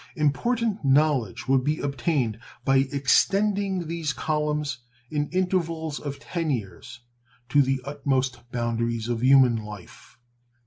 Important knowledge would be obtained by extending these columns, in intervals of ten years, to the utmost boundaries of human life.